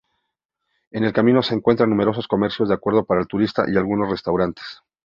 En el camino se encuentran numerosos comercios de recuerdos para turistas y algunos restaurantes.